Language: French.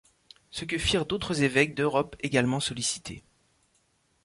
Ce que firent d'autres évêques d'Europe, également sollicités.